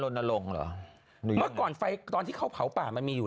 ของอ่ะหรือไม่ได้มีการลนลงหรอเมื่อก่อนไฟตอนที่เข้าเผาป่ามันมีอยู่